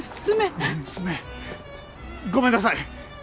ごめんなさい！